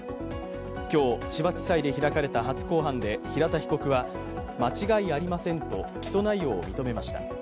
今日、千葉地裁で開かれた初公判で平田被告は、間違いありませんと起訴内容を認めました。